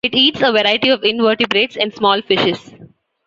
It eats a variety of invertebrates and small fishes.